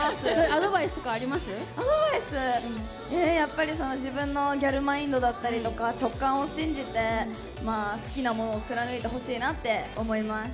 アドバイスは、自分のギャルマインドだったりとか直感を信じて好きなものを貫いてほしいなって思います。